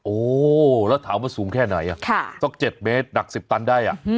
โอ้แล้วถามว่าสูงแค่ไหนสัก๗เมตรหนัก๑๐ตันได้